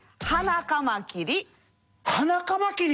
ハナカマキリ？